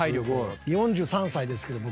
４３歳ですけど僕。